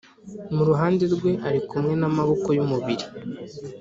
Mu ruhande rwe ari kumwe n amaboko y umubiri